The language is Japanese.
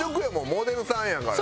モデルさんやから。